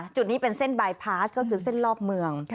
จุดนี้เป็นเส้นบายพาสก็คือเส้นรอบเมือง